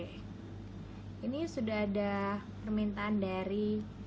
ini sudah ada permintaan dari